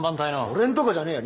俺んとこじゃねえよ。